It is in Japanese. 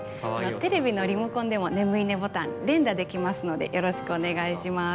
テレビのリモコンでも眠いいねボタン連打できますのでよろしくお願いします。